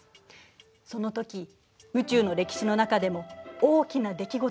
そのとき宇宙の歴史の中でも大きな出来事があったのよ。